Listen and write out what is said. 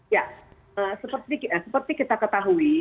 ya seperti kita ketahui